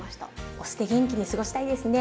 お酢で元気に過ごしたいですね。